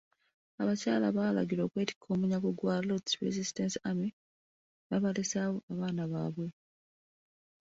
Abakyala baalagirwa okwetikka omunyago gwa Lord's Resistance Army ne babalesaawo abaana baabwe.